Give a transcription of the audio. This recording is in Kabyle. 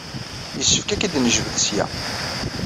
Yessefk ad k-id-nejbed ssya.